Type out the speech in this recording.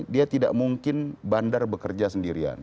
dia tidak mungkin bandar bekerja sendirian